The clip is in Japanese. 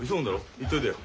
行っといでよ。